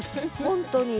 本当に。